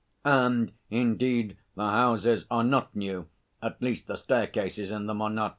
And, indeed, the houses are not new, at least the staircases in them are not.